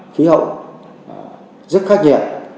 khí hậu rất khắc nhiệt